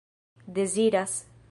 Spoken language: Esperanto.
deziras